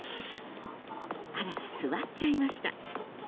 あらら、座っちゃいました。